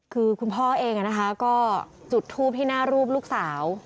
คือคุณพ่อเองก็จุดทูปที่หน้ารูปลูกสาว